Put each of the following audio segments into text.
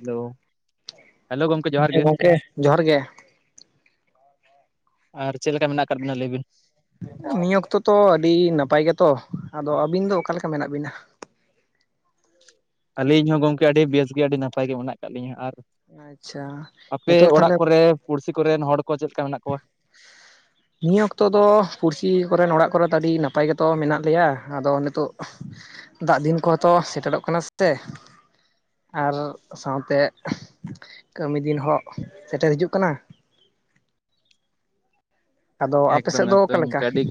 Hello, hello ᱜᱚᱝᱠᱮ ᱡᱚᱦᱟᱨ ᱦᱮᱸ ᱜᱮ, ᱜᱚᱝᱠᱮ ᱡᱚᱦᱟᱨ ᱜᱮ ᱟᱨ ᱪᱮᱫ ᱞᱮᱠᱟ ᱢᱮᱱᱟᱜ ᱟᱠᱟᱫ ᱵᱤᱱᱟ ᱞᱟᱹᱭ ᱵᱤᱱ? ᱱᱤᱭᱚ ᱚᱠᱛᱚ ᱛᱚ ᱟᱹᱰᱤ ᱱᱟᱯᱟᱭ ᱜᱮᱛᱚ ᱟᱫᱚ ᱟᱹᱵᱤᱱ ᱫᱚ ᱚᱠᱟᱞᱮᱠᱟ ᱢᱮᱱᱟᱜ ᱵᱤᱱᱟ? ᱟᱹᱞᱤᱧ ᱦᱚᱸ ᱜᱚᱝᱠᱮ ᱟᱹᱰᱤ ᱵᱮᱥ ᱜᱮ ᱟᱹᱰᱤ ᱱᱟᱯᱟᱭ ᱜᱮ ᱢᱮᱱᱟᱜ ᱟᱠᱟᱫ ᱞᱤᱧᱟᱹ ᱟᱨᱼᱼ ᱟᱪᱪᱷᱟ ᱱᱤᱛᱳᱜ ᱛᱟᱦᱚᱞᱮᱼᱼ ᱠᱚᱨᱮ ᱯᱩᱲᱥᱤ ᱠᱚᱨᱮᱱ ᱦᱚᱲ ᱠᱚ ᱪᱮᱫ ᱞᱮᱠᱟ ᱢᱮᱱᱟᱜ ᱠᱚᱣᱟ? [inaudible] ᱱᱤᱭᱟᱹ ᱚᱠᱛᱚ ᱫᱚ ᱯᱩᱲᱥᱤ ᱠᱚᱨᱮᱱ ᱚᱲᱟᱜ ᱠᱚᱨᱮ ᱫᱚ ᱟᱹᱰᱤ ᱱᱟᱯᱟᱭ ᱜᱮᱛᱚ ᱢᱮᱱᱟᱜ ᱞᱮᱭᱟ ᱟᱫᱚ ᱱᱤᱛᱚᱜ ᱫᱟᱜ ᱫᱤᱱ ᱠᱚᱦᱚᱸᱛᱚ ᱥᱮᱴᱮᱨᱚᱜ ᱠᱟᱱᱟ ᱥᱮ᱾ ᱟᱨ ᱥᱟᱶᱛᱮ ᱠᱟᱹᱢᱤ ᱫᱤᱱ ᱦᱚᱸ ᱥᱮᱴᱮᱨ ᱦᱤᱡᱩᱜ ᱠᱟᱱᱟ᱾ ᱟᱫᱚ ᱟᱯᱮ ᱥᱮᱫ ᱮᱠᱫᱚᱢ ᱫᱚ ᱚᱠᱟ ᱮᱠᱫᱚᱢ ᱞᱮᱠᱟ? ᱜᱚᱢᱠᱮ ᱟᱹᱰᱤ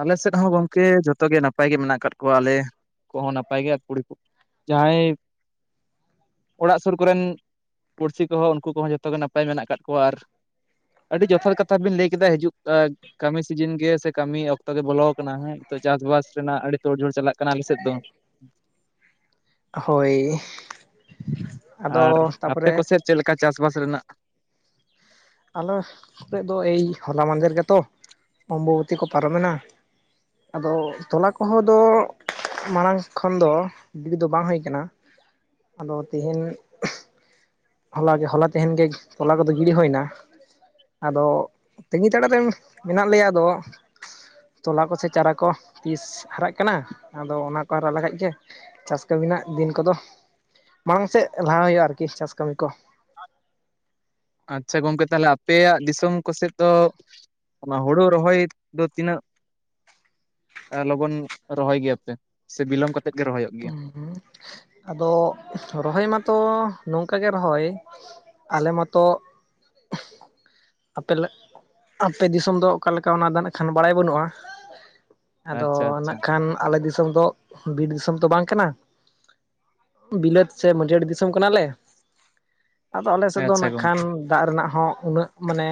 ᱟᱞᱮ ᱥᱮᱫ ᱦᱚᱸ ᱜᱚᱝᱠᱮ ᱡᱚᱛᱚ ᱜᱮ ᱱᱟᱯᱟᱭ ᱜᱮ ᱢᱮᱱᱟᱜ ᱟᱠᱟᱜ ᱠᱚᱣᱟ ᱟᱞᱮ ᱠᱚᱦᱚᱸ ᱱᱟᱯᱟᱭ ᱜᱮ ᱠᱩᱲᱤ ᱠᱚᱼᱼ ᱡᱟᱦᱟᱸᱭᱼᱼ ᱚᱲᱟᱜ ᱥᱩᱨ ᱠᱚᱨᱮᱱ ᱯᱩᱲᱥᱤ ᱠᱚᱦᱚᱸ ᱩᱱᱠᱩ ᱠᱚᱦᱚᱸ ᱡᱚᱛᱚᱜᱮ ᱱᱟᱯᱟᱭ ᱢᱮᱱᱟᱜ ᱟᱠᱟᱫ ᱠᱚᱣᱟ ᱟᱨᱼᱼ ᱟᱹᱰᱤ ᱡᱚᱛᱷᱟᱛ ᱠᱟᱛᱷᱟ ᱵᱤᱱ ᱞᱟᱹᱭ ᱠᱮᱫᱟ ᱦᱤᱡᱩᱜ ᱠᱟᱹᱢᱤ ᱥᱤᱡᱤᱱ ᱜᱮ ᱥᱮ ᱠᱟᱹᱢᱤ ᱚᱼᱼ ᱚᱠᱛᱚ ᱜᱮ ᱵᱚᱞᱚ ᱟᱠᱟᱱᱟ ᱦᱮᱸ ᱱᱤᱛᱚᱜ ᱪᱟᱥᱵᱟᱥ ᱨᱮᱱᱟᱜ ᱟᱹᱰᱤ ᱛᱳᱲ-ᱡᱳᱲ ᱪᱟᱞᱟᱜ ᱠᱟᱱᱟ ᱟᱞᱮᱮᱥᱮᱫ ᱫᱚ ᱾ ᱦᱳᱭ ᱟᱨ ᱟᱫᱚ ᱟᱯᱮ ᱛᱟᱯᱚᱨᱮ ᱠᱚᱥᱮᱫ ᱪᱮᱫ ᱞᱮᱠᱟ ᱪᱟᱥᱵᱟᱥ ᱨᱮᱱᱟᱜ? ᱟᱞᱮ ᱥᱮᱫ ᱫᱚ ᱮᱭ ᱦᱚᱞᱟ ᱢᱟᱸᱫᱷᱮᱨ ᱜᱮᱛᱚ ᱚᱢᱵᱚᱵᱚᱛᱤ ᱠᱚ ᱯᱟᱨᱚᱢᱮᱱᱟ ᱾ ᱟᱫᱚ ᱛᱚᱞᱟ ᱠᱚᱦᱚᱸ ᱫᱚ ᱢᱟᱲᱟᱝ ᱠᱷᱚᱱ ᱫᱚ ᱜᱤᱰᱤ ᱫᱚ ᱵᱟᱝ ᱦᱩᱭ ᱠᱟᱱᱟ ᱾ ᱟᱫᱚ ᱛᱮᱦᱮᱧ ᱦᱚᱞᱟ ᱜᱮ ᱦᱚᱞᱟ ᱛᱮᱦᱮᱱ ᱜᱮ ᱛᱚᱞᱟ ᱠᱚᱫᱚ ᱜᱤᱰᱤ ᱦᱩᱭ ᱱᱟ ᱾ ᱟᱫᱚ ᱛᱟᱹᱜᱤ ᱛᱟᱲᱟ ᱨᱮ ᱢᱮᱱᱟᱜ ᱞᱮᱭᱟ ᱟᱫᱚ ᱛᱚᱞᱟ ᱠᱚᱥᱮ ᱪᱟᱨᱟ ᱠᱚ ᱛᱤᱥ ᱦᱟᱨᱟᱜ ᱠᱟᱱᱟ ᱟᱫᱚ ᱚᱱᱟ ᱠᱚ ᱦᱟᱨᱟᱜ ᱞᱮᱠᱷᱟᱡ ᱜᱮ ᱪᱟᱥ ᱠᱟᱹᱢᱤ ᱨᱮᱱᱟᱜ ᱫᱤᱱ ᱠᱚᱫᱚ ᱢᱟᱲᱟᱝ ᱥᱮᱫ ᱞᱟᱦᱟ ᱦᱩᱭᱩᱜᱼᱟ ᱟᱨᱠᱤ ᱪᱟᱥ ᱠᱟᱹᱢᱤ ᱠᱚ ᱾ ᱟᱪᱪᱷᱟ, ᱜᱚᱝᱠᱮ ᱛᱟᱦᱞᱮ ᱟᱯᱮᱭᱟᱜ ᱫᱤᱥᱚᱢ ᱠᱚᱥᱮᱫ ᱫᱚ ᱚᱱᱟ ᱦᱩᱲᱩ ᱨᱚᱦᱚᱭ ᱫᱚ ᱛᱤᱱᱟᱹᱜ ᱞᱚᱜᱚᱱ ᱨᱚᱦᱚᱭ ᱜᱮᱭᱟ ᱯᱮ ᱥᱮ ᱵᱤᱞᱚᱢ ᱠᱟᱛᱮ ᱛᱮᱫ ᱜᱮ ᱨᱚᱦᱚᱭᱚᱜ ᱜᱮᱭᱟ? ᱦᱩᱸ ᱟᱫᱚ ᱨᱚᱦᱚᱭ ᱢᱟ ᱛᱚ ᱱᱚᱝᱠᱟ ᱜᱮ ᱨᱚᱦᱚᱭ ᱟᱞᱮ ᱢᱟ ᱛᱚ [inaudible] ᱟᱯᱮ ᱞᱮ ᱟᱯᱮ ᱫᱤᱥᱚᱢ ᱫᱚ ᱚᱠᱟ ᱞᱮᱠᱟ ᱚᱱᱟ ᱫᱚ ᱱᱟᱜᱠᱷᱟᱱ ᱵᱟᱲᱟᱭ ᱵᱟᱹᱱᱩᱜᱼᱟ᱾ ᱟᱫᱚ ᱟᱪᱪᱷᱟ ᱟᱪᱪᱷᱟ ᱱᱟᱜᱠᱷᱟᱱ ᱟᱞᱮ ᱫᱤᱥᱚᱢ ᱫᱚ ᱵᱤᱨ ᱫᱤᱥᱚᱢ ᱛᱚ ᱵᱟᱝ ᱠᱟᱱᱟ ᱵᱤᱞᱟᱹᱛ ᱥᱮ ᱢᱟᱹᱴᱭᱟᱲ ᱫᱤᱥᱚᱢ ᱠᱟᱱᱟ ᱞᱮ᱾ ᱟᱫᱚ ᱟᱞᱮ ᱥᱮᱫ ᱫᱚ ᱟᱪᱪᱷᱟ ᱱᱟᱜᱠᱷᱟᱱ ᱜᱚᱝᱠᱮ ᱫᱟᱜ ᱨᱮᱱᱟᱜ ᱦᱚᱸ ᱩᱱᱟᱹᱜ ᱢᱟᱱᱮ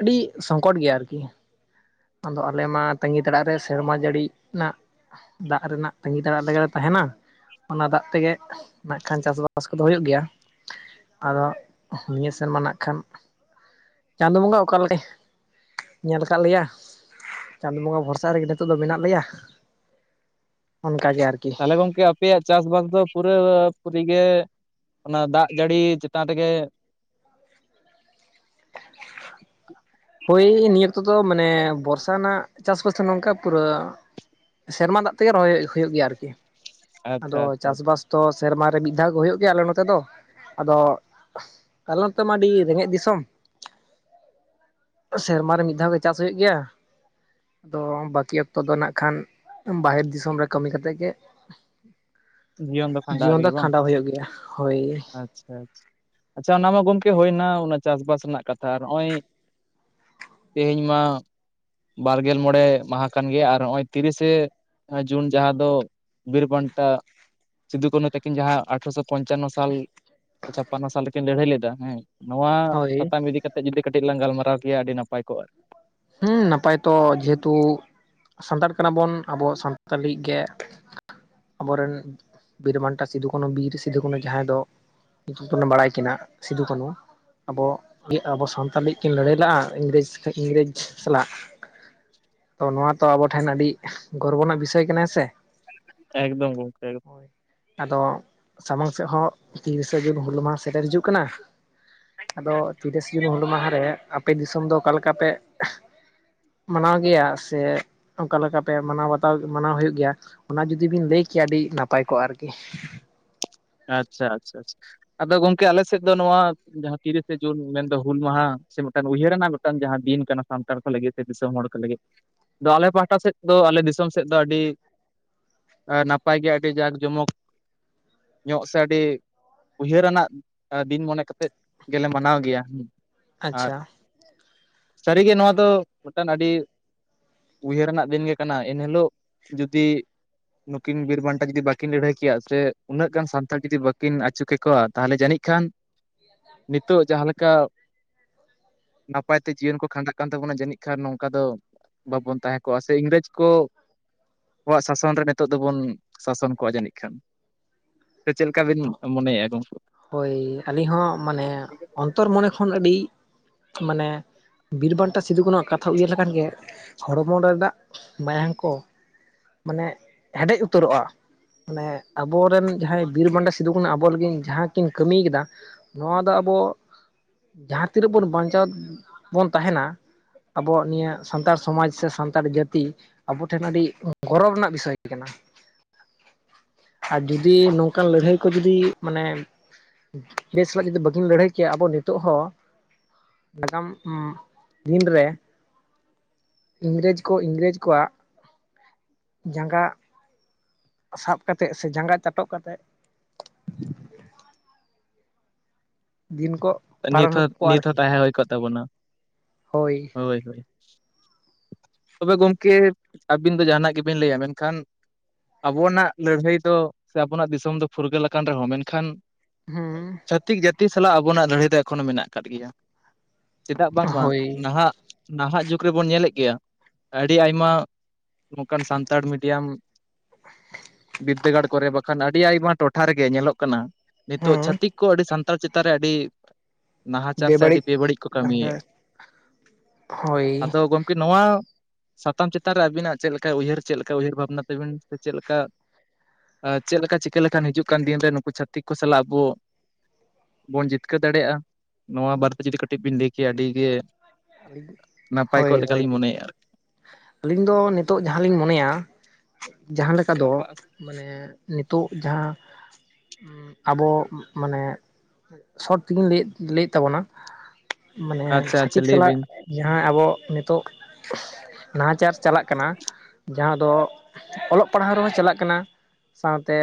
ᱟᱹᱰᱤ ᱥᱚᱝᱠᱚᱴ ᱜᱮᱭᱟ ᱟᱨ ᱠᱤ᱾ ᱟᱫᱚ ᱟᱞᱮ ᱢᱟ ᱛᱟᱹᱜᱤ ᱛᱟᱲᱟᱜ ᱨᱮ ᱥᱮᱨᱢᱟ ᱡᱟᱹᱲᱤ ᱱᱟᱜ ᱫᱟᱜ ᱨᱮᱱᱟᱜ ᱛᱟᱸᱜᱤ ᱛᱟᱲᱟᱜ ᱞᱮᱜᱮ ᱞᱮ ᱛᱟᱦᱮᱱᱟ ᱚᱱᱟ ᱫᱟᱜ ᱛᱮ ᱜᱮ ᱱᱟᱜᱠᱷᱟᱱ ᱪᱟᱥ ᱵᱟᱥ ᱠᱚ ᱫᱚ ᱦᱳᱭᱳᱜ ᱜᱮᱭᱟ᱾ ᱟᱫᱚ ᱱᱤᱭᱟᱹ ᱥᱮᱨᱢᱟ ᱱᱟᱜᱠᱷᱟᱱ ᱪᱟᱸᱫᱳ ᱵᱚᱸᱜᱟ ᱚᱠᱟ ᱞᱮᱠᱟ [inaudible] ᱧᱮᱞ ᱠᱟᱫ ᱞᱮᱭᱟ᱾ ᱪᱟᱸᱫᱳ ᱵᱚᱸᱜᱟ ᱵᱷᱚᱨᱥᱟ ᱨᱮ ᱜᱮ ᱱᱤᱛᱳᱜ ᱫᱚ ᱢᱮᱱᱟᱜ ᱞᱮᱭᱟ᱾ ᱚᱱᱠᱟ ᱜᱮ ᱟᱨᱠᱤ ᱛᱟᱦᱟᱞᱮ ᱜᱚᱝᱠᱮ ᱟᱯᱮᱭᱟᱜ ᱪᱟᱥ ᱵᱟᱥ ᱫᱚ ᱯᱩᱨᱟᱹ ᱯᱩᱨᱤ ᱜᱮ ᱚᱱᱟ ᱫᱟᱜ ᱡᱟᱹᱲᱤ ᱪᱮᱛᱟᱱ ᱨᱮ ᱜᱮ ᱦᱳᱭ ᱱᱤᱭᱟᱹ ᱚᱠᱛᱚ ᱫᱚ ᱢᱟᱱᱮ ᱵᱚᱨᱥᱟ ᱱᱟᱜ ᱪᱟᱥ ᱵᱟᱥ ᱫᱚ ᱱᱚᱝᱠᱟ ᱯᱩᱨᱟᱹ ᱥᱮᱨᱢᱟ ᱫᱟᱜ ᱛᱮ ᱜᱮ ᱨᱚᱦᱚᱭ ᱦᱳᱭᱳᱜ ᱜᱮᱭᱟ ᱟᱨᱠᱤ᱾ ᱟᱪᱪᱷᱟ ᱟᱫᱚ ᱟᱪᱪᱷᱟ ᱪᱟᱥ ᱵᱟᱥ ᱫᱚ ᱥᱮᱨᱢᱟ ᱨᱮ ᱢᱤᱫ ᱫᱷᱟᱣ ᱜᱮ ᱦᱳᱭᱳᱜ ᱜᱮᱭᱟ ᱟᱞᱮ ᱱᱚᱛᱮ ᱫᱚ ᱟᱫᱚ ᱟᱞᱮ ᱱᱚᱛᱮ ᱢᱟ ᱟᱹᱰᱤ ᱨᱮᱸᱜᱮᱡ ᱫᱤᱥᱚᱢ᱾ ᱥᱮᱨᱢᱟ ᱨᱮ ᱢᱤᱫ ᱫᱷᱟᱣ ᱜᱮ ᱪᱟᱥ ᱦᱳᱭᱳᱜ ᱜᱮᱭᱟ᱾ ᱟᱫᱚ ᱵᱟᱹᱠᱤ ᱚᱠᱛᱚ ᱫᱚ ᱱᱟᱜᱠᱷᱟᱱ ᱵᱟᱦᱮᱨ ᱫᱤᱥᱚᱢ ᱨᱮ ᱠᱟᱹᱢᱤ ᱠᱟᱛᱮᱫ ᱜᱮ ᱫᱚ ᱠᱷᱟᱸᱰᱟᱣ ᱡᱤᱭᱚᱱ ᱫᱚ ᱠᱷᱟᱸᱰᱟᱣ ᱦᱳᱭᱳᱜ ᱜᱮᱭᱟ ᱦᱳᱭ᱾ ᱟᱪᱷᱟ ᱟᱪᱷᱟ ᱟᱪᱷᱟ, ᱚᱱᱟ ᱢᱟ ᱜᱚᱢᱠᱮ ᱦᱳᱭᱱᱟ ᱚᱱᱟ ᱪᱟᱥ ᱵᱟᱥ ᱨᱮᱱᱟᱜ ᱠᱟᱛᱷᱟ ᱟᱨ ᱱᱚᱜ ᱚᱭ ᱛᱮᱦᱮᱧ ᱢᱟ ᱵᱟᱨᱜᱮᱞ ᱢᱚᱬᱮ ᱢᱟᱦᱟ ᱠᱟᱱ ᱜᱮᱭᱟ ᱟᱨ ᱱᱚᱜ ᱚᱭ ᱛᱤᱨᱤᱥᱮ ᱡᱩᱱ ᱡᱟᱦᱟᱸ ᱫᱚ ᱵᱤᱨ ᱵᱟᱱᱴᱟ ᱥᱤᱫᱩ ᱠᱟᱹᱱᱩ ᱛᱟᱹᱠᱤᱱ ᱡᱟᱦᱟᱸ ᱟᱴᱷᱨᱚᱥᱚ ᱯᱚᱧᱪᱟᱱᱱᱚ ᱥᱟᱞ ᱪᱷᱟᱯᱟᱱᱱᱚ ᱥᱟᱞ ᱨᱮᱠᱤᱱ ᱞᱟᱹᱲᱦᱟᱹᱭ ᱞᱮᱫᱟ ᱦᱮᱸ ᱱᱚᱣᱟ ᱦᱳᱭ ᱥᱟᱛᱟᱢ ᱤᱫᱤ ᱠᱟᱛᱮᱫ ᱡᱩᱫᱤ ᱠᱟᱹᱴᱤᱡ ᱞᱟᱝ ᱜᱟᱞᱢᱟᱨᱟᱣ ᱠᱮᱭᱟ ᱟᱹᱰᱤ ᱱᱟᱯᱟᱭ ᱠᱚᱜᱟ᱾ ᱦᱩᱸ ᱱᱟᱯᱟᱭ ᱛᱚ ᱡᱮᱦᱮᱛᱩ ᱥᱟᱱᱛᱟᱲ ᱠᱟᱱᱟ ᱵᱚᱱ ᱟᱵᱚ ᱥᱟᱱᱛᱟᱞᱤ ᱜᱮ ᱟᱵᱚ ᱨᱮᱱ ᱵᱤᱨ ᱵᱟᱱᱴᱟ ᱥᱤᱫᱩ ᱠᱟᱹᱱᱩ ᱵᱤᱨ ᱥᱤᱫᱩ ᱠᱟᱹᱱᱩ ᱡᱟᱦᱟᱸᱭ ᱫᱚ ᱧᱩᱛᱩᱢ ᱛᱮᱵᱚᱱ ᱵᱟᱲᱟᱭ ᱠᱤᱱᱟ ᱥᱤᱫᱩ ᱠᱟᱹᱱᱩ ᱟᱵᱚ ᱜᱤ ᱟᱵᱚ ᱥᱟᱱᱛᱟᱞ ᱞᱤᱜ ᱠᱤᱱ ᱞᱟᱹᱲᱦᱟᱹᱭ ᱞᱮᱜ ᱟ ᱤᱝᱨᱮᱡᱽ ᱤᱝᱨᱮᱡᱽ ᱥᱟᱞᱟᱜ᱾ ᱛᱚ ᱱᱚᱣᱟ ᱛᱚ ᱟᱵᱚ ᱴᱷᱮᱱ ᱟᱹᱰᱤ ᱜᱚᱨᱵᱚ ᱨᱮᱱᱟᱜ ᱵᱤᱥᱚᱭ ᱠᱟᱱᱟ ᱥᱮ᱾ ᱮᱠᱫᱚᱢ ᱜᱚᱢᱠᱮ ᱮᱠᱫᱚᱢ᱾ ᱟᱫᱚ᱾ ᱥᱟᱢᱟᱝ ᱥᱮᱫ ᱦᱚᱸ ᱛᱤᱨᱤᱥᱟ ᱡᱩᱱ ᱦᱩᱞ ᱢᱟᱦᱟ ᱥᱮᱴᱮᱨ ᱦᱤᱡᱩᱜ ᱠᱟᱱᱟ᱾ ᱟᱫᱚ ᱛᱤᱨᱤᱥᱟ ᱡᱩᱱ ᱦᱩᱞ ᱢᱟᱦᱟ ᱨᱮ ᱟᱯᱮ ᱫᱤᱥᱚᱢ ᱫᱚ ᱚᱠᱟ ᱞᱮᱠᱟ ᱯᱮ ᱢᱟᱱᱟᱣ ᱜᱮᱭᱟ ᱥᱮ ᱚᱱᱠᱟ ᱞᱮᱠᱟ ᱯᱮ ᱢᱟᱱᱟᱣ ᱵᱟᱛᱟᱣ ᱢᱟᱱᱟᱣ ᱦᱩᱭᱩᱜ ᱜᱮᱭᱟ ᱚᱱᱟ ᱡᱩᱫᱤ ᱵᱤᱱ ᱞᱟᱹᱭ ᱠᱮᱭᱟ ᱟᱹᱰᱤ ᱱᱟᱯᱟᱭ ᱠᱚᱜᱼᱟ ᱟᱨ ᱠᱤ? ᱟᱪᱷᱟ ᱟᱪᱷᱟ ᱟᱪᱷᱟ ᱟᱪᱪᱷᱟ᱾ ᱟᱫᱚ ᱜᱚᱢᱠᱮ ᱟᱞᱮ ᱥᱮᱫ ᱫᱚ ᱱᱚᱣᱟ ᱡᱟᱦᱟᱸ ᱛᱤᱨᱤᱥᱟ ᱡᱩᱱ ᱢᱮᱱ ᱫᱚ ᱦᱩᱞ ᱢᱟᱦᱟ ᱥᱮ ᱢᱮᱫᱴᱟᱱ ᱩᱭᱦᱟᱹᱨᱟᱱᱟᱝ ᱛᱟᱱ ᱡᱟᱦᱟᱸ ᱫᱤᱱ ᱠᱟᱱᱟ ᱥᱟᱱᱛᱟᱲ ᱠᱚ ᱞᱟᱹᱜᱤᱫ ᱥᱮ ᱫᱤᱥᱚᱢ ᱦᱚᱲ ᱠᱚ ᱞᱟᱹᱜᱤᱫ᱾ ᱟᱫᱚ ᱟᱞᱮ ᱯᱟᱦᱴᱟ ᱥᱮᱫ ᱫᱚ ᱟᱞᱮ ᱫᱤᱥᱚᱢ ᱥᱮᱫ ᱫᱚ ᱟᱹᱰᱤ ᱟ ᱱᱟᱯᱟᱭ ᱜᱮ ᱟᱹᱰᱤ ᱡᱟᱠ ᱡᱚᱢᱚᱠ᱾ ᱧᱚᱜ ᱥᱮ ᱟᱹᱰᱤ ᱩᱭᱦᱟᱹᱨᱟᱱᱟᱜ ᱫᱤᱱ ᱢᱚᱱᱮ ᱠᱟᱛᱮᱫ ᱜᱮᱞᱮ ᱢᱟᱱᱟᱣ ᱜᱮᱭᱟ᱾ ᱟᱨ ᱟᱪᱪᱷᱟ ᱥᱟᱹᱨᱤ ᱜᱮ ᱱᱚᱣᱟ ᱫᱚ ᱢᱤᱫᱴᱟᱱ ᱟᱹᱰᱤ ᱩᱭᱦᱟᱹᱨ ᱟᱱᱟᱜ ᱫᱤᱱ ᱜᱮ ᱠᱟᱱᱟ ᱮᱱᱦᱤᱞᱳᱜ ᱡᱩᱫᱤ ᱱᱩᱠᱤᱱ ᱵᱤᱨ ᱵᱟᱱᱴᱟ ᱡᱩᱫᱤ ᱵᱟᱠᱤᱱ ᱞᱟᱹᱲ ᱦᱟᱹᱭ ᱠᱮᱭᱟ ᱥᱮ ᱩᱱᱟᱹᱜ ᱜᱟᱱ ᱥᱟᱱᱛᱟᱲ ᱡᱩᱫᱤ ᱵᱟᱹᱠᱤᱱ ᱟᱹᱪᱩ ᱠᱮᱠᱚᱣᱟ ᱛᱟᱦᱚᱞᱮ ᱡᱟᱹᱱᱤᱡ ᱠᱷᱟᱱ ᱱᱤᱛᱚᱜ ᱡᱟᱦᱟᱸ ᱞᱮᱠᱟ ᱱᱟᱯᱟᱭ ᱛᱮ ᱡᱤᱭᱚᱱ ᱠᱚ ᱠᱷᱟᱸᱰᱟᱜ ᱠᱟᱱ ᱛᱟᱵᱚᱱᱟ ᱡᱟᱹᱱᱤᱡ ᱠᱷᱟᱱ ᱱᱚᱝᱠᱟ ᱫᱚ ᱵᱟᱵᱚᱱ ᱛᱟᱦᱮᱸ ᱠᱚᱜᱼᱟ ᱥᱮ ᱤᱝᱨᱮᱡᱽ ᱠᱚ ᱟᱠᱚᱣᱟᱜ ᱥᱟᱥᱚᱱ ᱨᱮ ᱱᱤᱛᱚᱜ ᱫᱚᱵᱚᱱ ᱥᱟᱥᱚᱱ ᱠᱚᱜᱼᱟ ᱡᱟᱹᱱᱤᱡ ᱠᱷᱟᱱ᱾ ᱥᱮ ᱪᱮᱫ ᱞᱮᱠᱟ ᱵᱤᱱ ᱢᱚᱱᱮᱭᱮᱫᱼᱟ ᱜᱚᱝᱠᱮ? ᱦᱳᱭ ᱟᱹᱞᱤᱧ ᱦᱚᱸ ᱢᱟᱱᱮ ᱚᱱᱛᱚᱨ ᱢᱚᱱᱮ ᱠᱷᱚᱱ ᱟᱹᱰᱤ ᱢᱟᱱᱮ ᱵᱤᱨ ᱵᱟᱱᱴᱟ ᱥᱤᱫᱩᱠᱱᱩᱣᱟᱜ ᱠᱟᱛᱷᱟ ᱩᱭᱟᱹᱨ ᱞᱮᱠᱷᱟᱱ ᱜᱮ ᱦᱚᱲᱢᱚ ᱨᱮᱱᱟᱜ ᱢᱟᱭᱟᱝ ᱠᱚ ᱢᱟᱱᱮ ᱦᱮᱰᱮᱡ ᱩᱛᱟᱹᱨᱚᱜᱼᱟ ᱢᱟᱱᱮ ᱟᱵᱚᱨᱮᱱ ᱡᱟᱦᱟᱸᱭ ᱵᱤᱨ ᱢᱟᱱᱴᱟ ᱥᱤᱫᱩ ᱠᱟᱱᱩ ᱟᱵᱚ ᱞᱟᱹᱜᱤᱱ ᱡᱟᱦᱟᱸ ᱠᱤᱱ ᱠᱟᱹᱢᱤᱭ ᱠᱮᱫᱟ ᱱᱚᱣᱟ ᱫᱚ ᱟᱵᱚ ᱡᱟᱦᱟᱸ ᱛᱤᱱᱟᱹᱜ ᱵᱚᱱ ᱵᱟᱧᱪᱟᱣ ᱵᱚᱱ ᱛᱟᱦᱮᱱᱟ ᱟᱵᱚᱣᱟᱜ ᱱᱤᱭᱟᱹ ᱥᱟᱱᱛᱟᱲ ᱥᱚᱢᱟᱡᱽ ᱥᱮ ᱥᱟᱱᱛᱟᱲ ᱡᱟᱹᱛᱤ ᱟᱵᱚᱴᱷᱮᱱ ᱟᱹᱰᱤ ᱜᱚᱨᱚᱵᱽ ᱨᱮᱱᱟᱜ ᱵᱤᱥᱚᱭ ᱠᱟᱱᱟ ᱟᱨ ᱡᱩᱫᱤ ᱱᱚᱝᱠᱟᱱ ᱞᱟᱹᱲᱦᱟᱹᱭ ᱠᱚ ᱡᱩᱫᱤ ᱢᱟᱱᱮ [unintelligible] ᱥᱟᱞᱟᱜ ᱡᱩᱫᱤ ᱵᱟᱹᱠᱤᱱ ᱞᱟᱹᱲᱦᱟᱹᱭ ᱠᱮᱭᱟ ᱟᱵᱚ ᱱᱤᱛᱚᱜ ᱦᱚᱸ ᱱᱟᱜᱟᱢ ᱩᱸ ᱫᱤᱱ ᱨᱮ ᱤᱝᱨᱮᱡᱽ ᱠᱚ ᱤᱝᱨᱮᱡᱽ ᱠᱚᱣᱟᱜ ᱡᱟᱸᱜᱟ ᱥᱟᱵᱽ ᱠᱟᱛᱮᱫ ᱥᱮ ᱡᱟᱸᱜᱟ ᱪᱟᱴᱚᱜ ᱠᱟᱛᱮᱫ [inaudible] ᱫᱤᱱ ᱠᱚ ᱱᱤᱛ ᱯᱟᱨᱚᱢᱮᱫ ᱦᱚᱸ ᱠᱚᱣᱟ ᱱᱤᱛ ᱦᱚᱸ ᱟᱨᱠᱤ ᱛᱟᱦᱮᱸ ᱦᱳᱭ ᱠᱚᱜ ᱛᱟᱵᱚᱱᱟ᱾ ᱦᱳᱭ ᱦᱳᱭ᱾ [inaudible] ᱛᱚᱵᱮ ᱜᱚᱢᱠᱮ ᱟᱹᱵᱤᱱ ᱫᱚ ᱡᱟᱦᱟᱱᱟᱜ ᱜᱮᱵᱤᱱ ᱞᱟᱹᱭᱟ ᱢᱮᱱᱠᱷᱟᱱ ᱟᱵᱚᱱᱟᱜ ᱞᱟᱹᱲᱦᱟᱹᱭ ᱫᱚ ᱥᱮ ᱟᱵᱚᱱᱟᱜ ᱫᱤᱥᱚᱢ ᱫᱚ ᱯᱷᱩᱨᱜᱟᱹᱞ ᱟᱠᱟᱱ ᱨᱮᱦᱚᱸ ᱢᱮᱱᱠᱷᱟᱱ ᱦᱩᱸ᱾ ᱪᱷᱟᱹᱛᱤᱠ ᱡᱟᱹᱛᱤ ᱥᱟᱞᱟᱜ ᱟᱵᱚᱱᱟᱜ ᱞᱟᱹᱲᱦᱟᱹᱭ ᱫᱚ ᱮᱠᱷᱚᱱᱚ ᱢᱮᱱᱟᱜ ᱟᱠᱟᱫ ᱜᱮᱭᱟ, ᱪᱮᱫᱟᱜ ᱵᱟᱝᱢᱟ ᱦᱳᱭ ᱱᱟᱦᱟᱜ ᱱᱟᱦᱟᱜ ᱡᱩᱜᱽ ᱨᱮᱵᱚᱱ ᱧᱮᱞᱮᱫ ᱜᱮᱭᱟ ᱟᱹᱰᱤ ᱟᱭᱢᱟ ᱱᱚᱝᱠᱟᱱ ᱥᱟᱱᱛᱟᱲ ᱢᱤᱰᱤᱭᱟᱢ ᱵᱤᱫᱽᱫᱟᱹᱜᱟᱲ ᱠᱚᱨᱮ ᱵᱟᱠᱷᱟᱱ ᱟᱹᱰᱤ ᱟᱭᱢᱟ ᱴᱚᱴᱷᱟ ᱨᱮᱜᱮ ᱧᱮᱞᱚᱜ ᱠᱟᱱᱟ᱾ ᱱᱤᱛᱚᱜ ᱦᱩᱸ ᱪᱷᱟᱛᱤᱠ ᱠᱚ ᱟᱹᱰᱤ ᱥᱟᱱᱛᱟᱲ ᱪᱮᱛᱟᱱ ᱨᱮ ᱟᱹᱰᱤ ᱱᱟᱦᱟᱪᱟᱨ ᱥᱮ ᱟᱹᱰᱤ ᱵᱮᱵᱟᱹᱲᱤᱡ ᱠᱚ ᱠᱟᱹᱢᱤᱭᱮᱫ, ᱦᱳᱭ ᱟᱫᱚ ᱜᱚᱢᱠᱮ ᱱᱚᱣᱟ ᱥᱟᱛᱟᱢ ᱪᱮᱛᱟᱱ ᱨᱮ ᱟᱹᱵᱤᱱᱟᱜ ᱪᱮᱫ ᱞᱮᱠᱟ ᱩᱭᱦᱟᱹᱨ, ᱪᱮᱫ ᱞᱮᱠᱟ ᱩᱭᱦᱟᱹᱨ ᱵᱷᱟᱵᱽᱱᱟ ᱛᱟᱹᱵᱤᱱ ᱥᱮ ᱪᱮᱫ ᱞᱮᱠᱟ ᱪᱮᱫᱞᱮᱠᱟ ᱪᱤᱠᱟᱹ ᱞᱮᱠᱷᱟᱱ ᱦᱤᱡᱩᱜ ᱠᱟᱱ ᱫᱤᱱᱨᱮ ᱱᱩᱠᱩ ᱪᱷᱟᱹᱛᱤᱠ ᱠᱚ ᱥᱟᱞᱟᱜ ᱟᱵᱚ ᱵᱚᱱ ᱡᱤ- ᱛᱠᱟᱹᱨ ᱫᱟᱲᱮᱭᱟᱜ-ᱟ, ᱱᱚᱣᱟ ᱵᱟᱨᱮᱛᱮ ᱡᱩᱫᱤ ᱠᱟᱹᱴᱤᱡ ᱵᱤᱱ ᱞᱟᱹᱭ ᱠᱮᱭᱟ ᱟᱹᱰᱤ ᱜᱮ ᱦᱳᱭ ᱱᱟᱯᱟᱭ ᱠᱚᱜ ᱦᱳᱭ ᱞᱮᱠᱟᱞᱤᱧ ᱢᱚᱱᱮᱭᱮᱫ-ᱟ᱾ ᱟᱹᱞᱤᱧ ᱫᱚ ᱱᱤᱛᱚᱜ ᱡᱟᱦᱟᱸᱞᱤᱧ ᱢᱚᱱᱮᱭᱟ ᱡᱟᱦᱟᱸ ᱞᱮᱠᱟ ᱫᱚ ᱢᱟᱱᱮ ᱱᱤᱛᱚᱜ ᱡᱟᱦᱟᱸ ᱟᱵᱚ ᱢᱟᱱᱮ ᱥᱚᱴ ᱛᱮᱜᱮᱧ ᱞᱟᱹᱭ ᱞᱟᱹᱭᱮᱫ ᱛᱟᱵᱚᱱᱟ ᱢᱟᱱᱮ ᱟᱪᱪᱷᱟ ᱟᱪᱪᱷᱟ ᱪᱷᱟᱹᱛᱤᱠ ᱞᱟᱹᱭ ᱵᱤᱱ ᱡᱟᱦᱟᱸᱭ ᱟᱵᱚ ᱱᱤᱛᱚᱜ ᱱᱟᱦᱟᱪᱟᱨ ᱪᱟᱞᱟᱜ ᱠᱟᱱᱟ ᱡᱟᱦᱟᱸ ᱫᱚ ᱚᱞᱚᱜ ᱯᱟᱲᱦᱟᱣ ᱨᱮᱦᱚᱸ ᱪᱟᱞᱟᱜ ᱠᱟᱱᱟ᱾ ᱥᱟᱶᱛᱮ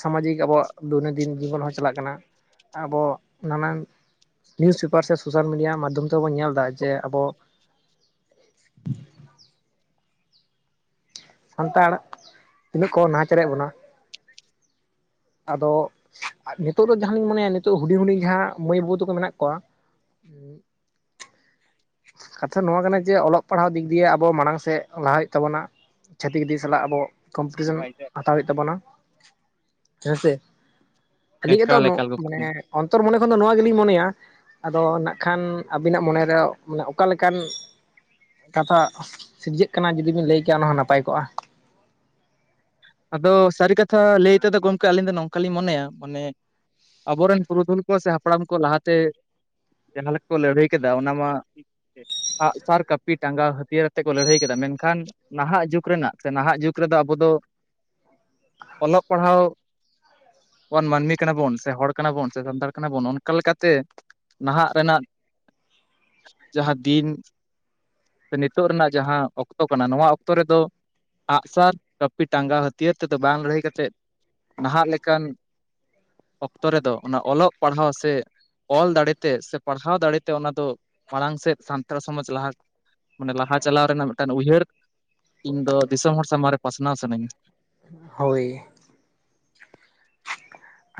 ᱥᱟᱢᱟᱡᱤᱠ ᱟᱵᱚᱣᱟᱜ ᱫᱳᱭᱱᱳᱫᱤᱱ ᱡᱤᱵᱚᱱ ᱦᱚᱸ ᱪᱟᱞᱟᱜ ᱠᱟᱱᱟ ᱟᱵᱚ ᱱᱟᱱᱟᱱ ᱱᱤᱭᱩᱥ ᱯᱮᱯᱟᱨ ᱥᱮ ᱥᱳᱥᱟᱞ ᱢᱤᱰᱤᱭᱟ ᱢᱟᱫᱷᱚᱢ ᱛᱮᱵᱚᱱ ᱧᱮᱞ ᱫᱟ ᱡᱮ ᱟᱵᱚ ᱥᱟᱱᱛᱟᱲ ᱛᱤᱱᱟᱹᱜ ᱠᱚ ᱱᱟᱦᱟᱪᱟᱨᱮᱫ ᱵᱚᱱᱟ? ᱟᱫᱚ ᱱᱤᱛᱚᱜ ᱫᱚ ᱡᱟᱦᱟᱸ ᱞᱤᱧ ᱢᱚᱱᱮᱭᱟ ᱱᱤᱛᱚᱜ ᱦᱩᱰᱤᱧ ᱦᱩᱰᱤᱧ ᱡᱟᱦᱟᱸ ᱢᱟᱹᱭ ᱵᱟᱹᱵᱩ ᱛᱟᱠᱚ ᱢᱮᱱᱟᱜ ᱠᱚᱣᱟ [unintelligible] ᱠᱟᱛᱷᱟ ᱱᱚᱣᱟ ᱠᱟᱱᱟ ᱡᱮ ᱚᱞᱚᱜ ᱯᱟᱲᱦᱟᱣ ᱫᱤᱠ ᱫᱤᱭᱮ ᱟᱵᱚ ᱢᱟᱲᱟᱝ ᱥᱮᱫ ᱞᱟᱦᱟ ᱦᱩᱭᱩᱜ ᱛᱟᱵᱚᱱᱟ᱾ ᱪᱷᱟᱹᱛᱤᱠᱤᱛᱤ ᱥᱟᱞᱟᱜ ᱟᱵᱚ ᱠᱚᱢᱯᱤᱴᱤᱥᱮᱱ ᱦᱟᱛᱟᱣ ᱦᱩᱭᱩᱜ ᱛᱟᱵᱚᱱᱟ ᱦᱮᱸ ᱥᱮ᱾ ᱟᱹᱰᱤ ᱜᱮᱛᱚ ᱮᱠᱟᱞ ᱱᱚᱜ ᱮᱠᱟᱞ ᱢᱟᱱᱮ ᱜᱚᱢᱠᱮ ᱚᱱᱛᱚᱨ ᱢᱚᱱᱮ ᱠᱷᱚᱱ ᱫᱚ ᱱᱚᱣᱟ ᱜᱮᱞᱤᱧ ᱢᱚᱱᱮᱭᱟ ᱟᱫᱚ ᱱᱟᱜ ᱠᱷᱟᱱ ᱟᱵᱤᱱᱟᱜ ᱢᱚᱱᱮᱨᱮ ᱢᱟᱱᱮ ᱚᱠᱟᱞᱮᱠᱟᱱ ᱠᱟᱛᱷᱟ ᱥᱤᱨᱡᱟᱹᱜ ᱠᱟᱱᱟ ᱡᱩᱫᱤᱵᱤᱱ ᱞᱟᱹᱭ ᱠᱮᱭᱟ ᱚᱱᱟ ᱦᱚᱸ ᱱᱟᱯᱟᱭ ᱠᱚᱜ-ᱟ᱾ ᱟᱫᱚ ᱥᱟᱹᱨᱤ ᱠᱟᱛᱷᱟ ᱞᱟᱹᱭ ᱛᱮᱫᱚ ᱜᱚᱢᱠᱮ ᱟᱹᱞᱤᱧ ᱫᱚ ᱱᱚᱝᱠᱟ ᱞᱤᱧ ᱢᱚᱱᱮᱭᱟ᱾ ᱢᱟᱱᱮ ᱟᱵᱚᱨᱮᱱ ᱯᱩᱨᱩᱫᱷᱩᱞ ᱠᱚ ᱥᱮ ᱦᱟᱯᱲᱟᱢ ᱠᱚ ᱞᱟᱦᱟᱛᱮ ᱡᱟᱦᱟᱸ ᱠᱚ ᱞᱟᱹᱲᱦᱟᱹᱭ ᱠᱮᱫᱟ ᱚᱱᱟ ᱢᱟ ᱟᱸᱜ-ᱥᱟᱨ ᱠᱟᱹᱯᱤ ᱴᱟᱸᱜᱟ ᱦᱟᱹᱛᱭᱟᱹᱨ ᱟᱛᱮ ᱠᱚ ᱞᱟᱹᱲᱦᱟᱹᱭ ᱠᱮᱫᱟ ᱢᱮᱱᱠᱷᱟᱱ ᱱᱟᱦᱟᱜ ᱡᱩᱜᱽ ᱨᱮᱱᱟᱜ ᱥᱮ ᱱᱟᱦᱟᱜ ᱡᱩᱜᱽ ᱨᱮᱫᱚ ᱟᱵᱚ ᱫᱚ ᱚᱞᱚᱜ ᱯᱟᱲᱦᱟᱣ ᱵᱚᱱ ᱢᱟᱹᱱᱢᱤ ᱠᱟᱱᱟ ᱵᱚᱱ ᱥᱮ ᱦᱚᱲ ᱠᱟᱱᱟ ᱵᱚᱱ ᱥᱮ ᱥᱟᱱᱛᱟᱲ ᱠᱟᱱᱟ ᱵᱚᱱ ᱚᱱᱠᱟ ᱞᱮᱠᱟᱛᱮ ᱱᱟᱦᱟᱜ ᱨᱮᱱᱟᱜ ᱡᱟᱦᱟᱸ ᱫᱤᱱ ᱥᱮ ᱱᱤᱛᱚᱜ ᱨᱮᱱᱟᱜ ᱡᱟᱦᱟᱸ ᱚᱠᱛᱚ ᱠᱟᱱᱟ ᱱᱚᱣᱟ ᱚᱠᱛᱚ ᱨᱮᱫᱚ ᱟᱸᱜ-ᱥᱟᱨ ᱯᱤ ᱴᱟᱸᱜᱟ ᱦᱟᱹᱛᱭᱟᱹᱨ ᱛᱮᱫᱚ ᱵᱟᱝ ᱞᱟᱹᱲᱦᱟᱹᱭ ᱠᱟᱛᱮᱫ ᱱᱟᱦᱟᱜ ᱞᱮᱠᱟᱱ ᱚᱠᱛᱚ ᱨᱮᱫᱚ ᱚᱱᱟ ᱚᱞᱚᱜ ᱯᱟᱲᱦᱟᱣ ᱥᱮ ᱚᱞ ᱫᱟᱲᱮᱛᱮ ᱥᱮ ᱯᱟᱲᱦᱟᱣ ᱫᱟᱲᱮᱛᱮ ᱚᱱᱟ ᱫᱚ ᱢᱟᱲᱟᱝ ᱥᱮᱫ ᱥᱟᱱᱛᱟᱲ ᱥᱚᱢᱟᱡᱽ ᱞᱟᱦᱟ ᱚᱱᱟ ᱞᱟᱦᱟ ᱪᱟᱞᱟᱣ ᱨᱮᱱᱟᱜ ᱢᱤᱫᱴᱟᱱ ᱩᱭᱦᱟᱹᱨ ᱤᱧ ᱫᱚ ᱫᱤᱥᱚᱢ ᱦᱚᱲ ᱥᱟᱢᱟᱝ ᱨᱮ ᱯᱟᱥᱱᱟᱣ ᱥᱟᱱᱟᱧ ᱠᱟᱱᱟ᱾ ᱦᱳᱭ᱾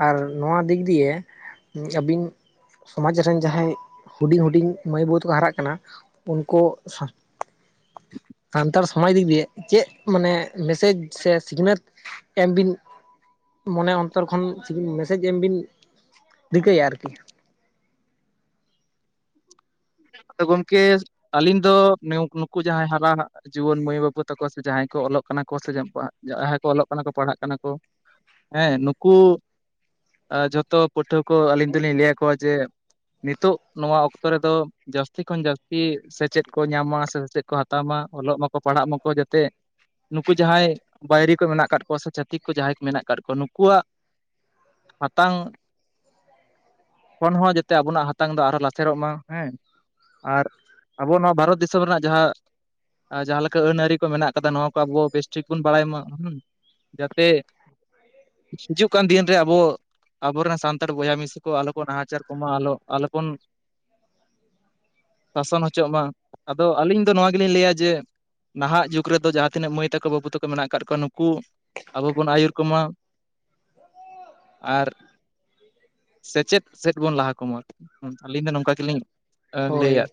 ᱟᱨ ᱱᱚᱣᱟ ᱫᱤᱠ ᱫᱤᱭᱮ ᱟᱹᱵᱤᱱ ᱾ ᱥᱚᱢᱟᱡᱽ ᱨᱮᱱ ᱡᱟᱦᱟᱸᱭ ᱦᱩᱰᱤᱧ ᱦᱩᱰᱤᱧ ᱢᱟᱹᱭ ᱵᱟᱹᱵᱩ ᱛᱟᱠᱚ ᱦᱟᱨᱟᱜ ᱠᱟᱱᱟ᱾ ᱩᱱᱠᱩ ᱥᱟᱱᱛᱟᱲ ᱥᱚᱢᱟᱡᱽ ᱫᱤᱠ ᱫᱤᱭᱮ᱾ ᱪᱮᱫ ᱢᱟᱱᱮ ᱢᱮᱥᱮᱡᱽ ᱥᱮ ᱥᱤᱠᱷᱱᱟᱹᱛ? ᱮᱢᱵᱤᱱ ᱢᱚᱱᱮ ᱚᱱᱛᱚᱨ ᱠᱷᱚᱱ ᱢᱮᱥᱮᱡᱽ ᱮᱢᱵᱤᱱ ᱨᱤᱠᱟᱹᱭᱟ ᱟᱨᱠᱤ ᱟᱫᱚ ᱜᱚᱝᱠᱮ ᱟᱹᱞᱤᱧ ᱫᱚ ᱱᱩᱠᱩ ᱡᱟᱦᱟᱸᱭ ᱦᱟᱨᱟ ᱦᱟᱜ- ᱡᱩᱣᱟᱹᱱ ᱢᱟᱹᱭ ᱵᱟᱹᱵᱩ ᱛᱟᱠᱚ ᱥᱮ ᱡᱟᱦᱟᱸᱭ ᱠᱚ ᱚᱞᱚᱜ ᱠᱟᱱᱟ ᱠᱚ ᱥᱮ ᱡᱟᱦᱟᱸᱭ ᱠᱚ ᱚᱞᱚᱜ ᱠᱟᱱᱟ ᱠᱚ ᱯᱟᱲᱦᱟᱜ ᱠᱟᱱᱟ ᱠᱚ᱾ ᱦᱮᱸ ᱱᱩᱠᱩ ᱟ ᱡᱷᱚᱛᱚ ᱯᱟᱹᱴᱷᱩᱣᱟᱹ ᱠᱚ ᱟᱹᱞᱤᱧ ᱫᱚᱞᱤᱧ ᱞᱟᱹᱭ ᱟᱠᱚᱣᱟ ᱡᱮ ᱱᱤᱛᱚᱜ ᱱᱚᱣᱟ ᱚᱠᱛᱚ ᱨᱮᱫᱚ ᱡᱟᱹᱥᱛᱤ ᱠᱷᱚᱱ ᱡᱟᱹᱥᱛᱤ ᱥᱮᱪᱮᱫ ᱠᱚ ᱧᱟᱢ ᱢᱟ ᱥᱮ ᱥᱮᱪᱮᱫ ᱠᱚ ᱦᱟᱛᱟᱣ ᱢᱟ ᱚᱞᱚᱜ ᱢᱟᱠᱚ ᱯᱟᱲᱦᱟᱜ ᱢᱟᱠᱚ ᱡᱟᱛᱮ᱾ ᱱᱩᱠᱩ ᱡᱟᱦᱟᱸᱭ ᱵᱟᱹᱭᱨᱤ ᱠᱚ ᱢᱮᱱᱟᱜ ᱟᱠᱟᱫ ᱠᱚᱣᱟ ᱥᱮ ᱪᱷᱟᱛᱤᱠ ᱠᱚ ᱡᱟᱦᱟᱸᱭ ᱠᱚ ᱢᱮᱱᱟᱜ ᱟᱠᱟᱫ ᱠᱚᱣᱟ ᱱᱩᱠᱩᱣᱟᱜ᱾ ᱦᱟᱛᱟᱝ ᱠᱷᱚᱱ ᱦᱚᱸ ᱡᱟᱛᱮ ᱟᱵᱚᱱᱟᱜ ᱦᱟᱛᱟᱝ ᱫᱚ ᱟᱨᱦᱚ ᱞᱟᱥᱮᱨᱚᱜ ᱢᱟ ᱦᱮᱸ᱾ ᱟᱨ ᱟᱵᱚ ᱱᱚᱣᱟ ᱵᱷᱟᱨᱚᱛ ᱫᱤᱥᱚᱢ ᱨᱮᱱᱟᱜ ᱡᱟᱦᱟᱸ᱾ ᱟᱨ ᱡᱟᱦᱟᱸ ᱞᱮᱠᱟ ᱟᱹᱱ ᱟᱹᱨᱤ ᱠᱚ ᱢᱮᱱᱟᱜ ᱠᱟᱫᱟ ᱱᱚᱣᱟ ᱠᱚ ᱟᱵᱚ ᱵᱮᱥᱴᱷᱤᱠ ᱵᱚᱱ ᱵᱟᱲᱟᱭ ᱢᱟ ᱦᱩᱸ᱾ ᱡᱟᱛᱮ ᱦᱤᱡᱩᱜ ᱠᱟᱱ ᱫᱤᱱᱨᱮ ᱟᱵᱚ ᱟᱵᱚᱨᱮᱱ ᱥᱟᱱᱛᱟᱲ ᱵᱚᱭᱦᱟ ᱢᱤᱥᱤ ᱠᱚ ᱟᱞᱚᱠᱚ ᱱᱟᱦᱟᱪᱟᱨ ᱠᱚᱢᱟ ᱟᱞᱚ ᱟᱞᱚᱯᱚᱱ [unintelligible] ᱥᱟᱥᱚᱱ ᱦᱚᱪᱚᱜ ᱢᱟ ᱟᱫᱚ ᱟᱹᱞᱤᱧ ᱫᱚ ᱱᱚᱣᱟ ᱜᱮᱞᱤᱧ ᱞᱟᱹᱭᱟ ᱡᱮ ᱱᱟᱦᱟᱜ ᱡᱩᱜᱽ ᱨᱮᱫᱚ ᱡᱟᱦᱟᱸ ᱛᱤᱱᱟᱹᱜ ᱢᱟᱹᱭ ᱛᱟᱠᱚ ᱵᱟᱹᱵᱩ ᱛᱟᱠᱚ ᱢᱮᱱᱟᱜ ᱟᱠᱟᱫ ᱠᱚᱣᱟ ᱱᱩᱠᱩ ᱟᱵᱚ ᱵᱚᱱ ᱟᱹᱭᱩᱨ ᱠᱚᱢᱟ᱾ ᱟᱨ ᱥᱮᱪᱮᱫ ᱥᱮᱫ ᱵᱚᱱ ᱞᱟᱦᱟᱠᱢᱟ ᱟᱹᱞᱤᱧ ᱫᱚ ᱱᱚᱝᱠᱟ ᱜᱮᱞᱤᱧ ᱟ ᱦᱳᱭ ᱞᱟᱹᱭᱟᱫ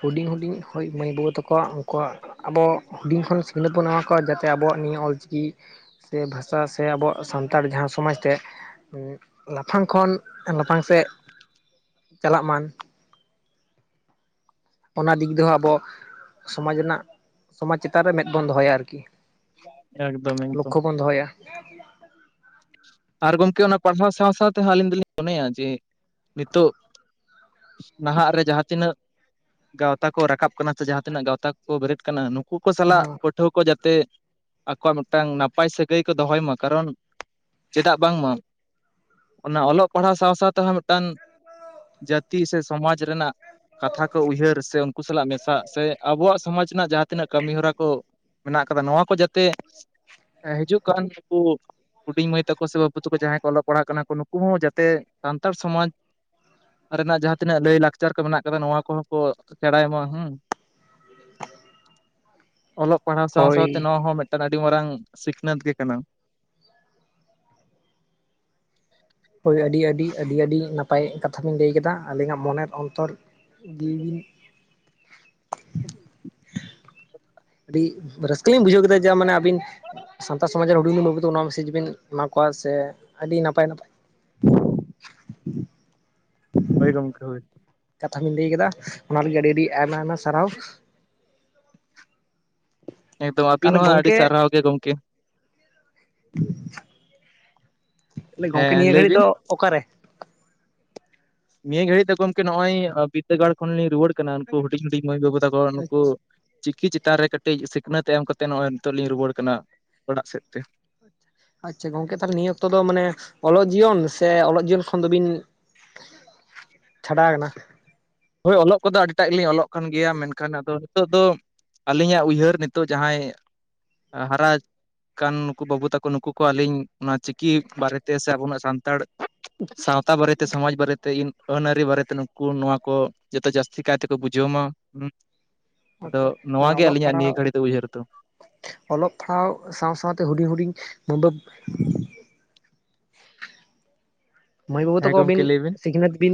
ᱦᱩᱰᱤᱧ ᱦᱩᱰᱤᱧ ᱦᱳᱭ ᱢᱟᱹᱭ ᱵᱟᱹᱵᱩ ᱛᱟᱠᱚᱣᱟ ᱩᱱᱠᱩᱣᱟᱜ ᱟᱵᱚ ᱦᱩᱰᱤᱧ ᱠᱷᱚᱱ ᱥᱤᱠᱷᱱᱟᱹᱛ ᱵᱚᱱ ᱮᱢᱟ ᱠᱚᱣᱟ ᱡᱟᱛᱮ ᱟᱵᱚᱣᱟᱜ ᱱᱤᱭᱟᱹ ᱚᱞᱪᱤᱠᱤ ᱥᱮ ᱵᱷᱟᱥᱟ ᱥᱮ ᱟᱵᱚᱣᱟᱜ ᱥᱟᱱᱛᱟᱲ ᱡᱟᱦᱟᱸ ᱥᱚᱢᱟᱡᱽ ᱛᱮ ᱞᱟᱯᱷᱟᱝ ᱠᱷᱚᱱ ᱮᱸᱞᱟᱯᱷᱟᱝ ᱥᱮᱫ ᱪᱟᱞᱟᱜ ᱢᱟᱱ᱾ ᱚᱱᱟ ᱫᱤᱜ ᱫᱚ ᱦᱚᱸ ᱟᱵᱚ ᱥᱚᱢᱟᱡᱽ ᱨᱮᱱᱟᱜ ᱥᱚᱢᱟᱡᱽ ᱪᱮᱛᱟᱱ ᱨᱮ ᱢᱮᱫ ᱵᱚᱱ ᱫᱚᱦᱚᱭᱟ ᱟᱨᱠᱤ᱾ ᱮᱠᱫᱚᱢ ᱮᱠᱫᱚᱢ ᱞᱚᱠᱠᱷᱚ ᱵᱚᱱ ᱫᱚᱦᱚᱭᱟ᱾ ᱟᱨ ᱜᱚᱢᱠᱮ ᱚᱱᱟ ᱯᱟᱲᱥᱟ ᱥᱟᱶ ᱥᱟᱶ ᱛᱮ ᱦᱚᱸ ᱟᱹᱞᱤᱧ ᱫᱚᱞᱤᱧ ᱢᱚᱱᱮᱭᱟ ᱡᱮ ᱱᱤᱛᱚᱜ ᱱᱟᱦᱟᱸᱜ ᱨᱮ ᱡᱟᱦᱟᱸ ᱛᱤᱱᱟᱹᱜ ᱜᱟᱶᱛᱟ ᱠᱚ ᱨᱟᱠᱟᱵ ᱠᱟᱱᱟ ᱪᱮ ᱡᱟᱦᱟᱸᱛᱤᱱᱟᱹᱜ ᱜᱟᱶᱛᱟ ᱠᱚ ᱵᱮᱨᱮᱫ ᱠᱟᱱᱟ ᱱᱩᱠ ᱩᱱᱠᱩ ᱠᱚ ᱥᱟᱞᱟᱜ ᱯᱟᱹᱴᱷᱩᱣᱟᱹ ᱠᱚ ᱡᱟᱛᱮ ᱟᱠᱚᱣᱟᱜ ᱢᱤᱫᱴᱟᱝ ᱱᱟᱯᱟᱭ ᱥᱟᱹᱜᱟᱹᱭ ᱠᱚ ᱫᱚᱦᱚᱭ ᱢᱟ ᱠᱟᱨᱚᱱ ᱪᱮᱫᱟᱜ ᱵᱟᱝᱢᱟ᱾ ᱚᱱᱟ ᱚᱞᱚᱜ ᱯᱟᱲᱦᱟᱣ ᱥᱟᱶ ᱥᱟᱶ ᱛᱮ ᱦᱚᱸ ᱢᱤᱫᱴᱟᱝ ᱡᱟᱹᱛᱤ ᱥᱮ ᱥᱚᱢᱟᱡᱽ ᱨᱮᱱᱟᱜ ᱠᱟᱛᱷᱟ ᱠᱚ ᱩᱭᱦᱟᱹᱨ ᱥᱮ ᱩᱱᱠᱩ ᱥᱟᱞᱟᱜ ᱢᱮᱥᱟᱜ ᱥᱮ ᱟᱵᱚᱣᱟᱜ ᱥᱚᱢᱟᱡᱽ ᱨᱮᱱᱟᱜ ᱡᱟᱦᱟᱸ ᱛᱤᱱᱟᱹᱜ ᱠᱟᱹᱢᱤ ᱦᱚᱨᱟ ᱠᱚ ᱢᱮᱱᱟᱜ ᱠᱟᱫᱟ ᱱᱚᱣᱟ ᱠᱚ ᱡᱟᱛᱮ ᱮᱸ ᱦᱤᱡᱩᱜ ᱠᱟᱱ ᱱᱩᱠᱩ ᱦᱩᱰᱤᱧ ᱢᱟᱹᱭ ᱛᱟᱠᱚ ᱥᱮ ᱵᱟᱹᱵᱩ ᱛᱟᱠᱚ ᱡᱟᱦᱟᱸᱭ ᱠᱚ ᱚᱞᱚᱜ ᱯᱟᱲᱦᱟᱜ ᱠᱟᱱᱟ ᱠᱚ ᱱᱩᱠᱩ ᱦᱚᱸ ᱡᱟᱛᱮ ᱥᱟᱱᱛᱟᱲ ᱥᱚᱢᱟᱡᱽ᱾ ᱠᱚ ᱨᱮᱱᱟᱜ ᱡᱟᱦᱟᱸ ᱛᱤᱱᱟᱹᱜ ᱞᱟᱹᱭ ᱞᱟᱠᱪᱟᱨ ᱠᱚ ᱢᱮᱱᱟᱜ ᱪᱮᱠᱟᱛᱮ ᱱᱚᱣᱟ ᱠᱚᱦᱚᱸ ᱠᱚ ᱥᱮᱲᱟᱭ ᱢᱟ ᱦᱟᱸ ᱚᱞᱚᱜ ᱯᱟᱲᱦᱟᱣ ᱥᱟᱶ ᱥᱟᱶ ᱛᱮ ᱦᱳᱭ ᱱᱚᱣᱟ ᱦᱚᱸ ᱢᱤᱫᱴᱟᱝ ᱟᱹᱰᱤ ᱢᱟᱨᱟᱝ ᱥᱤᱠᱷᱱᱟᱹᱛ ᱜᱮ ᱠᱟᱱᱟ᱾ [inaudible] ᱦᱳᱭ ᱟᱹᱰᱤ ᱟᱹᱰᱤ ᱟᱹᱰᱤ ᱟᱹᱰᱤ ᱱᱟᱯᱟᱭ ᱠᱟᱛᱷᱟ ᱵᱮᱱ ᱞᱟᱹᱭ ᱠᱮᱫᱟ ᱟᱹᱞᱤᱧᱟᱜ ᱢᱚᱱᱮᱨ ᱚᱱᱛᱚᱨ ᱡᱤᱣᱤ ᱵᱤᱱ [unintelligible] ᱟᱹᱰᱤ ᱨᱟᱹᱥᱠᱟᱹ ᱞᱤᱧ ᱵᱩᱡᱷᱟᱹᱣ ᱠᱮᱫᱟ ᱡᱟ ᱢᱟᱱᱮ ᱟᱹᱵᱤᱱ ᱥᱟᱱᱛᱟᱲ ᱥᱚᱢᱟᱡᱽ ᱨᱮᱱ ᱦᱩᱰᱤᱧ ᱦᱩᱰᱤᱧ ᱵᱟᱹᱵᱤ ᱛᱮ ᱚᱱᱟ ᱢᱮᱥᱮᱡᱽ ᱵᱤᱱ ᱮᱢᱟ ᱠᱚᱣᱟ ᱥᱮ ᱟᱹᱰᱤ ᱱᱟᱯᱟᱭ ᱱᱟᱯᱟᱭ ᱦᱳᱭ ᱜᱚᱝᱠᱮ ᱦᱩᱭ ᱠᱟᱛᱷᱟ ᱵᱮᱧ ᱞᱟᱹᱭ ᱠᱮᱫᱟ ᱚᱱᱟ ᱞᱟᱹᱜᱤᱫ ᱟᱹᱰᱤ ᱟᱹᱰᱤ ᱟᱭᱢᱟ ᱟᱭᱢᱟ ᱥᱟᱨᱦᱟᱣ ᱦᱮᱸ ᱫᱚ ᱟᱹᱵᱤᱱ ᱛᱟᱦᱚᱞᱮ ᱦᱚᱸ ᱟᱹᱰᱤ ᱜᱚᱝᱠᱮ ᱥᱟᱨᱦᱟᱣ ᱜᱮ ᱜᱚᱝᱠᱮ᱾ [inaudible] ᱛᱟᱦᱞᱮ ᱜᱚᱝᱠᱮ ᱦᱮᱸ ᱱᱤᱭᱟᱹ ᱞᱟᱹᱭ ᱜᱷᱟᱹᱲᱤᱡ ᱵᱤᱱ ᱫᱚ ᱚᱠᱟᱨᱮ? ᱱᱤᱭᱟᱹ ᱜᱷᱟᱹᱲᱤᱡ ᱛᱟ ᱜᱚᱢᱠᱮ ᱱᱚᱜᱼᱚᱭ ᱵᱤᱫᱽᱟᱹᱜᱟᱲ ᱠᱷᱚᱱ ᱞᱤᱧ ᱨᱩᱣᱟᱹᱲ ᱠᱟᱱᱟ ᱩᱱᱠᱩ ᱦᱩᱰᱤᱧ ᱦᱩᱰᱤᱧ ᱢᱟᱹᱭ ᱵᱟᱹᱵᱩ ᱛᱟᱠᱚ ᱱᱩᱠᱩ ᱪᱤᱠᱤ ᱪᱮ ᱛᱟᱱ ᱨᱮ ᱠᱟᱹᱴᱤᱡ ᱥᱤᱠᱷᱱᱟᱹᱛ ᱮᱢ ᱠᱟᱛᱮ ᱱᱚᱜᱼᱚᱭ ᱱᱤᱛᱚᱜ ᱞᱤᱧ ᱨᱩᱣᱟᱹᱲ ᱠᱟᱱᱟ ᱚᱲᱟᱜ ᱥᱮᱫ ᱛᱮ ᱟᱪᱪᱷᱟ ᱜᱚᱝᱠᱮ ᱛᱟᱞ ᱱᱤᱭᱟᱹ ᱚᱠᱛᱚ ᱫᱚ ᱢᱟᱱᱮ ᱚᱞᱚᱜ ᱡᱤᱭᱚᱱ ᱥᱮ ᱚᱞᱚᱜ ᱡᱤᱭᱚᱱ ᱠᱷᱚᱱ ᱫᱚᱵᱤᱱ ᱪᱷᱟᱰᱟᱣ ᱮᱱᱟ᱾ ᱦᱳᱭ ᱚᱞᱚᱜ ᱠᱚᱫᱚ ᱟᱹᱰᱤᱴᱟᱜ ᱜᱮᱞᱤᱧ ᱚᱞᱚᱜ ᱠᱟᱱ ᱜᱮᱭᱟ ᱢᱮᱱᱠᱷᱟᱱ ᱟᱫᱚ ᱱᱤᱛᱚᱜ ᱫᱚ ᱟᱹᱞᱤᱧᱟᱜ ᱩᱭᱦᱟᱹᱨ ᱱᱤᱛᱚᱜ ᱡᱟᱦᱟᱸᱭ ᱦᱟᱨᱟᱜ- -ᱠᱟᱱ ᱱᱩᱠᱩ ᱵᱟᱹᱵᱩ ᱛᱟᱠᱚ ᱱᱩᱠᱩ ᱠᱚ ᱟᱹᱞᱤᱧ ᱚᱱᱟ ᱪᱤᱠᱤ ᱵᱟᱨᱮᱛᱮ ᱥᱮ ᱟᱵᱚᱱᱟᱜ ᱥᱟᱱᱛᱟᱲ ᱥᱟᱶᱛᱟ ᱵᱟᱨᱮᱛᱮ ᱥᱚᱢᱟᱡᱽ ᱵᱟᱨᱮᱛᱮ ᱟᱹᱱᱼᱟᱹᱨᱤ ᱵᱟᱨᱮᱛᱮ ᱱᱩᱠᱩ ᱱᱚᱣᱟ ᱠᱚ ᱡᱚᱛᱚ ᱡᱟᱹᱥᱛᱤ ᱠᱟᱭ ᱛᱮᱠᱚ ᱵᱩᱡᱷᱟᱹᱣ ᱢᱟ ᱦᱩ ᱟᱫᱚ ᱟᱪᱪᱷᱟ ᱢᱟᱱᱮ ᱱᱚᱣᱟ ᱜᱮ ᱚᱞᱚᱜ ᱟᱹᱞᱤᱧᱟᱜ ᱱᱤᱭᱟᱹ ᱯᱟᱲᱦᱟᱣ ᱜᱷᱟᱹᱲᱤ ᱫᱚ ᱩᱭᱦᱟᱹᱨ ᱫᱚ ᱚᱞᱚᱜ ᱯᱟᱲᱦᱟᱣ ᱥᱟᱶ ᱥᱟᱶᱛᱮ ᱦᱩᱰᱤᱧ ᱦᱩᱰᱤᱧ ᱢᱩᱵᱟᱹ ᱢᱚᱭ ᱵᱟᱹᱵᱩ ᱦᱮᱸ ᱛᱮᱠᱚ ᱵᱤᱱ ᱜᱚᱢᱠᱮ ᱞᱟᱹᱭ ᱥᱤᱠᱷᱱᱟᱹᱛ ᱵᱤᱱ